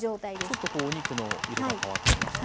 ちょっとお肉の色が変わってきましたね。